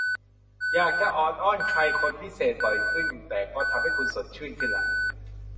อยากจะออดอ้อนใครคนพิเศษบ่อยขึ้นแต่ก็ทำให้คุณสดชื่นขึ้นล่ะ